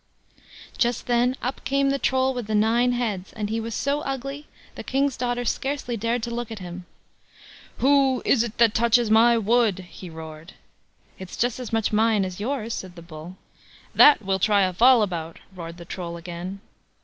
Just then up came the Troll with the nine heads, and he was so ugly, the King's daughter scarcely dared to look at him. "WHO IS THIS THAT TOUCHES MY WOOD?" he roared. "It's just as much mine as yours", said the Bull. "That we'll try a fall about", roared the Troll again.